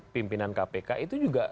pimpinan kpk itu juga